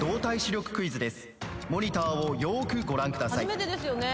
初めてですよね。